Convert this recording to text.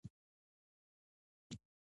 آیا موږ مهاجرین یو؟